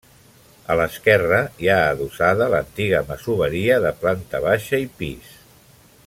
A l'esquerra, hi ha adossada l'antiga masoveria de planta baixa i pis.